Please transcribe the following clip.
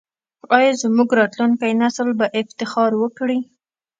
آیا زموږ راتلونکی نسل به افتخار وکړي؟